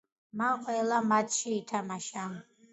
მან ყველა მატჩში ითამაშა.